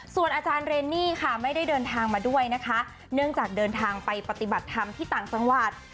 ส่วนอาจารย์เรนนี่ค่ะไม่ได้เดินทางมาด้วยนะคะเนื่องจากเดินทางไปปฏิบัติธรรมที่ต่างจังหวัด